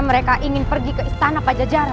mereka ingin pergi ke istana pajajaran